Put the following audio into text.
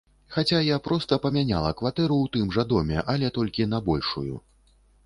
Хаця я проста памяняла кватэру ў тым жа доме, але толькі на большую.